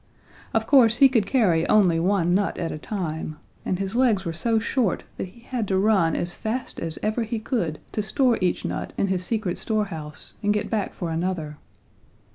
Of course he could carry only one nut at a time and his legs were so short that he had to run as fast as ever he could to store each nut in his secret store house and get back for another.